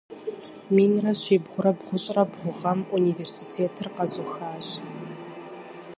Минрэ щибгъурэ бгъущӏрэ бгъу гъэм университетыр къэзыухащ.